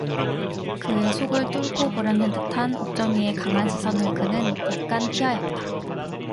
그의 속을 뚫고 보려는 듯한 옥점이의 강한 시선을 그는 약간 피하였다.